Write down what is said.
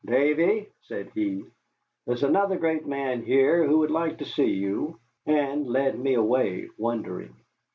"Davy," said he, "there is another great man here who would like to see you," and led me away wondering.